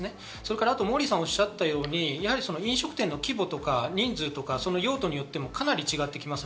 モーリーさんがおっしゃったように飲食店の規模とか人数とか用途によってもかなり違ってきます。